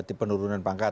di penurunan pangkat